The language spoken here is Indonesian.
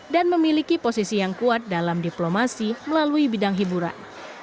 dan memiliki posisi yang kuat dalam diplomasi melalui bidang hiburan